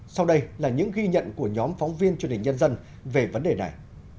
sau đây là những ghi nhận của nhóm phóng viên truyền hình nhân dân về vấn đề này